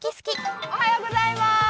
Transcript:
おはようございます。